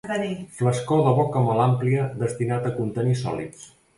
Flascó de boca molt àmplia, destinat a contenir sòlids.